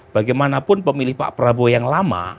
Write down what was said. setidaknya apapun pemilih pak prabowo yang lama